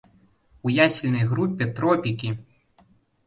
У ясельнай групе тропікі!